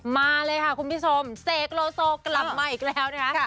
มาเลยค่ะคุณผู้ชมเสกโลโซกลับมาอีกแล้วนะคะ